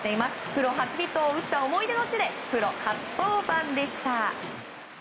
プロ初ヒットを打った思い出の地でプロ初登板でした。